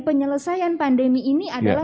penyelesaian pandemi ini adalah